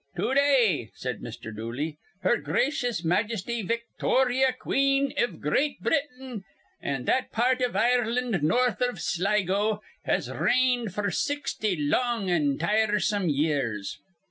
"To day," said Mr. Dooley, "her gracious Majesty Victorya, Queen iv Great Britain an' that part iv Ireland north iv Sligo, has reigned f'r sixty long and tiresome years."